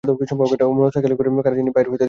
মোটরসাইকেলে করে কারে জানি বাইর হইতে দেখসিল।